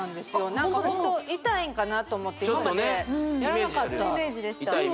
何かホント痛いんかなと思って今までやらなかった痛いイメージあるよね